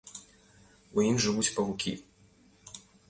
У ім жывуць павукі.